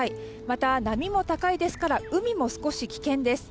また波も高いですから海も少し危険です。